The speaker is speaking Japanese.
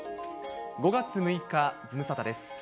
５月６日、ズムサタです。